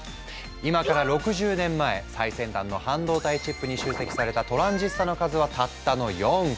今から６０年前最先端の半導体チップに集積されたトランジスタの数はたったの４個。